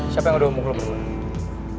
siapa yang udah umum lo dulu